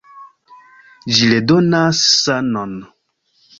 Ĝi redonas sanon!